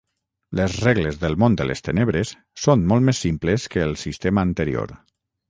Les regles del Món de les Tenebres són molt més simples que el sistema anterior.